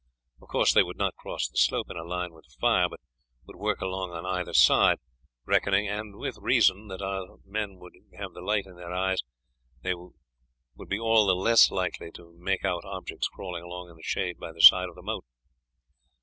Of course they would not cross the slope in a line with the fire, but would work along on either side, reckoning, and with reason, that as our men would have the light in their eyes they would be all the less likely to make out objects crawling along in the shade by the side of the moat.